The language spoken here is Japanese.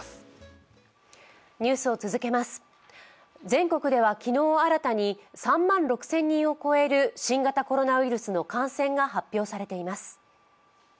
全国では昨日、新たに３万６０００人を超える新型コロナウイルスの感染が発表されています。